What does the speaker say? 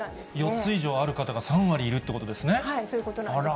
４つ以上ある方が、３割いるそういうことなんです。